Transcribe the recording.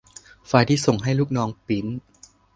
ไฟล์ที่ส่งให้ลูกน้องปริ้นท์